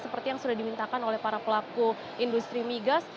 seperti yang sudah dimintakan oleh para pelaku industri migas